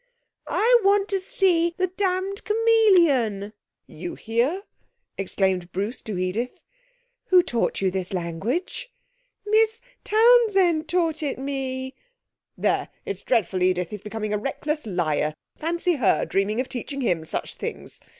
'I want to see the damned chameleon.' 'You hear!' exclaimed Bruce to Edith. 'Who taught you this language?' 'Miss Townsend taught it me.' 'There! It's dreadful, Edith; he's becoming a reckless liar. Fancy her dreaming of teaching him such things!